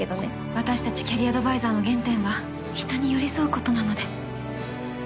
私たちキャリアアドバイザーの原点は人に寄り添うことなので。